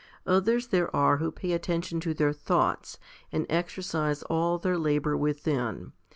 Others there are who pay attention to their thoughts, and exercise all their labour within.